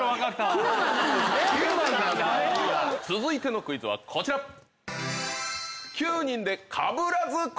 続いてのクイズはこちら！